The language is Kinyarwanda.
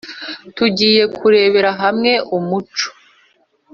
Tugiye kurebera hamwe umuco